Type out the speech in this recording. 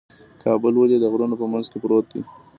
کابل ولې د غرونو په منځ کې پروت دی؟